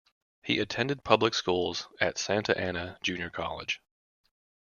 He attended public schools and Santa Ana Junior College.